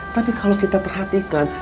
tapi kalau kita perhatikan